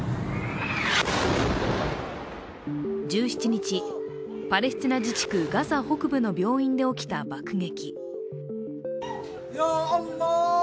１７日、パレスチナ自治区ガザ北部の病院で起きた爆撃。